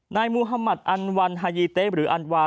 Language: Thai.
นายมูฮัมมัธอันวันฮายีเตะหรืออันวา